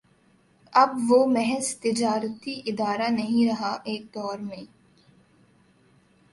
اب وہ محض تجارتی ادارہ نہیں رہا ایک دور میں